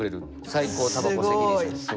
最高タバコ責任者です。